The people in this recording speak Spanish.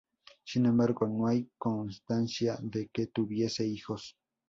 Sin embargo no hay constancia de que tuviese hijos.